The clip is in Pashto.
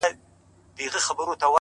قرآن يې د ښايست ټوله صفات راته وايي”